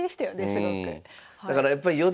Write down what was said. すごく。